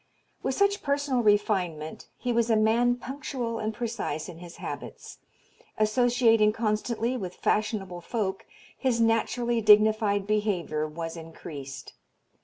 With such personal refinement he was a man punctual and precise in his habits. Associating constantly with fashionable folk his naturally dignified behavior was increased.